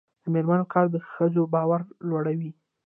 د میرمنو کار د ښځو باور لوړوي.